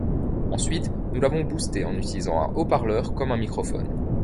Ensuite, nous l'avons boostée en utilisant un haut-parleur comme un microphone.